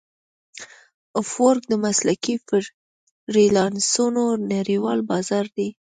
افورک د مسلکي فریلانسرانو نړیوال بازار دی.